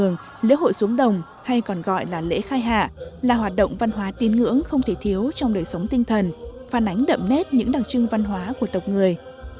những cư dân nông nghiệp cổ với người mường lễ hội xuống đồng hay còn gọi là lễ khai hạ là hoạt động văn hóa tín ngưỡng không thể thiếu trong đời sống tinh thần phản ánh đậm nét những đặc trưng văn hóa của tộc người